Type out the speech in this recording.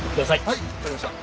はい分かりました。